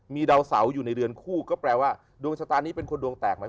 มีดาวเสาอยู่ในเรือนคู่ก็แปลว่าดวงชะตานี้เป็นคนดวงแตกไหม